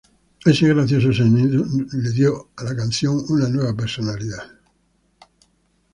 Ese gracioso sonido le dio a la canción una nueva personalidad.